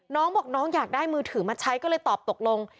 น้องบอกน้องอยากได้มือถือมาใช้ก็เลยตอบตกลง